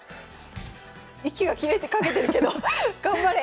息が切れかけてるけど頑張れ！